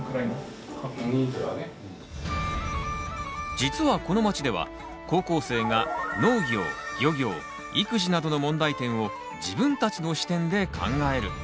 実はこの町では高校生が農業漁業育児などの問題点を自分たちの視点で考える。